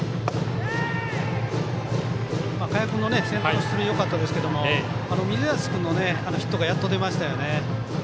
賀谷君の先頭の出塁よかったですけど右打席のヒットがやっと出ましたよね。